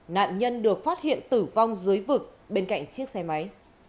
nạn nhân được phát hiện tử vong dưới vực bên cạnh chiếc xe máy